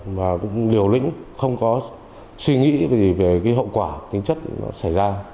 mà cũng liều lĩnh không có suy nghĩ về hậu quả tính chất xảy ra